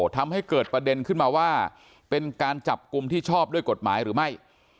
ทำให้เกิดประเด็นขึ้นมาว่าเป็นการจับกลุ่มที่ชอบด้วยกฎหมายหรือไม่